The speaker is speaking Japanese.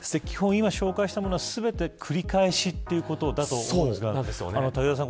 今紹介したものは全て繰り返しということだと思うんですが瀧澤さん